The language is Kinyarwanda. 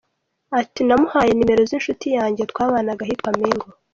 Ati “ Namuhaye nimero z’inshuti yanjye twabanaga ahitwa Mengo.